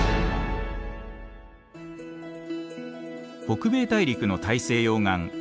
北米大陸の大西洋岸